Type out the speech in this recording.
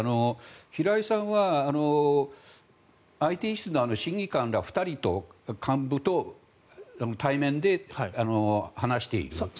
平井さんはＩＴ室の審議官ら２人と幹部と対面で話している。